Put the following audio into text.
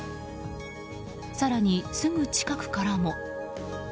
更に、すぐ近くからも。